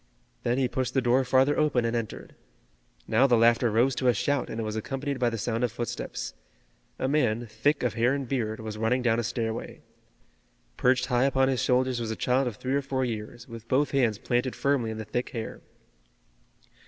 Then he pushed the door farther open and entered. Now the laughter rose to a shout, and it was accompanied by the sound of footsteps. A man, thick of hair and beard, was running down a stairway. Perched high upon his shoulders was a child of three or four years, with both hands planted firmly in the thick hair.